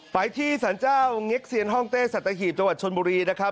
ไปที่สรรเจ้าเง็กเซียนห้องเต้สัตหีบจังหวัดชนบุรีนะครับ